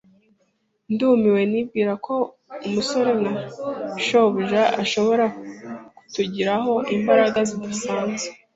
Ndumiwe nibwira ko umusore nka shobuja ashobora kutugiraho imbaraga zidasanzwe.